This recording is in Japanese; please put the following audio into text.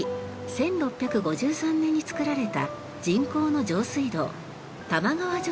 １６５３年に造られた人工の上水道玉川上水。